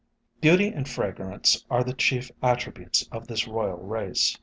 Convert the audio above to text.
Beauty and fragrance are the chief attributes of this royal race.